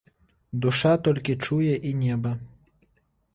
Душа толькі чуе і неба.